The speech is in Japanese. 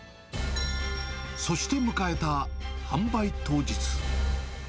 そして迎えた販売当日。